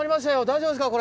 大丈夫ですか？